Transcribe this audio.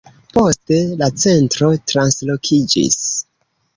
Poste la centro translokiĝis.